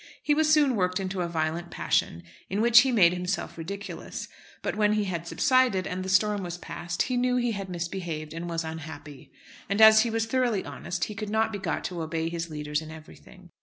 He was soon worked into a violent passion, in which he made himself ridiculous, but when he had subsided, and the storm was past, he knew he had misbehaved, and was unhappy. And, as he was thoroughly honest, he could not be got to obey his leaders in everything.